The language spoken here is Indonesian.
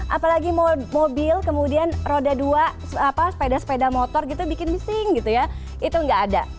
apalagi mobil kemudian roda dua sepeda sepeda motor gitu bikin bising gitu ya itu nggak ada